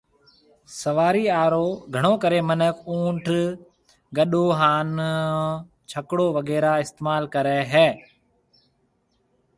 سوارِي ھارو گھڻو ڪري مِنک اُنٺ ، ڪڏو ھان ڇڪڙو وغيرھ استعمال ڪرَي تا